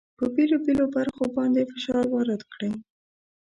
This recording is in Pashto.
په بېلو بېلو برخو باندې فشار وارد کړئ.